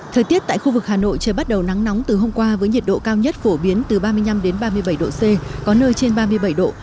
thời tiết tại khu vực hà nội trời bắt đầu nắng nóng từ hôm qua với nhiệt độ cao nhất phổ biến từ ba mươi năm ba mươi bảy độ c có nơi trên ba mươi bảy độ